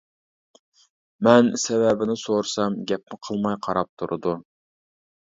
مەن سەۋەبىنى سورىسام گەپمۇ قىلماي قاراپ تۇرىدۇ.